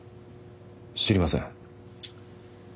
知りません。